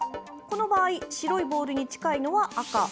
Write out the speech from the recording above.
この場合白いボールに近いのは赤。